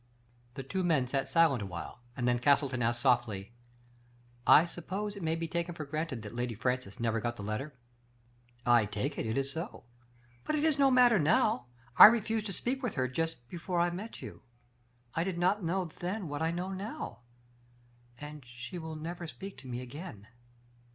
'* The two men sat silent awhile, and then Castle ton asked softly :I suppose it may be taken for granted that Lady Francis never got the letter? *'" I take it, it is so ; but it is no matter now, I refused to speak with her just before I met you. I. did not know then what I know now — and she will never speak to me again."